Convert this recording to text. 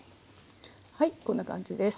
はいこんな感じです。